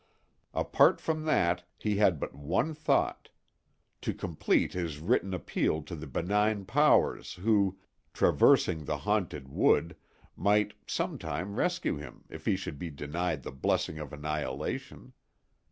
Apart from that, he had but one thought: to complete his written appeal to the benign powers who, traversing the haunted wood, might some time rescue him if he should be denied the blessing of annihilation.